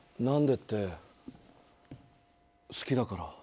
何でって好きだから。